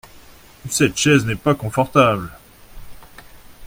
Cette chaise n’est pas confortable.